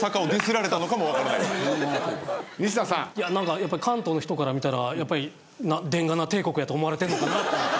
やっぱ関東の人から見たらでんがな帝国やと思われてるのかなと思って。